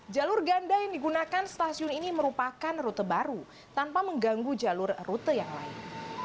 jalur ganda yang digunakan stasiun ini merupakan rute baru tanpa mengganggu jalur rute yang lain